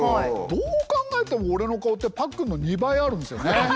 どう考えても俺の顔ってパックンの２倍あるんですよね。